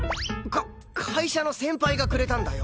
か会社の先輩がくれたんだよ！